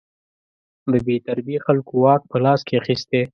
د بې تربیې خلکو واک په لاس کې اخیستی.